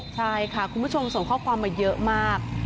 ใช่ค่ะคุณผู้ชมส่งข้อความมาเยอะมาก